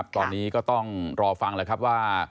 ตอนนี้ก็ต้องรอฟังว่า